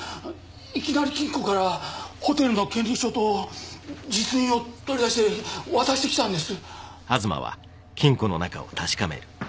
いきなり金庫からホテルの権利書と実印を取り出して渡してきたんです